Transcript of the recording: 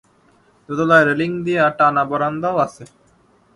দোতলায় রেলিং দেয়া টানা বারান্দাও আছে।